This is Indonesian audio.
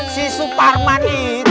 si suparman itu